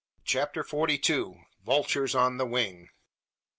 CHAPTER FORTY TWO. VULTURES ON THE WING.